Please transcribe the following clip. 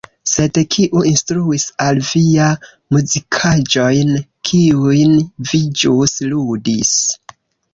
Sed kiu instruis al vi la muzikaĵojn, kiujn vi ĵus ludis.